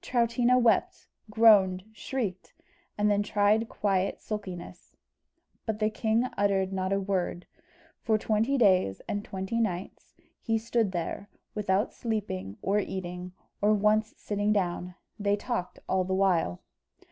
Troutina wept, groaned, shrieked, and then tried quiet sulkiness; but the king uttered not a word. For twenty days and twenty nights he stood there, without sleeping, or eating, or once sitting down they talking all the while.